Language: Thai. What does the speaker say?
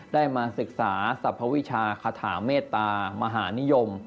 ได้มาศึกษาสรรพวิชาคาถาเมตตามหานิยม